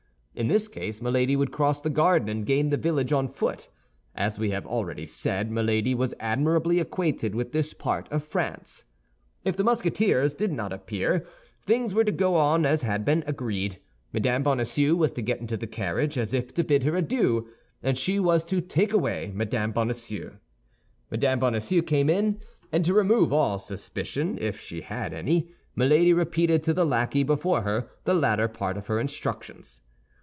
In this case Milady would cross the garden and gain the village on foot. As we have already said, Milady was admirably acquainted with this part of France. If the Musketeers did not appear, things were to go on as had been agreed; Mme. Bonacieux was to get into the carriage as if to bid her adieu, and she was to take away Mme. Bonacieux. Mme. Bonacieux came in; and to remove all suspicion, if she had any, Milady repeated to the lackey, before her, the latter part of her instructions.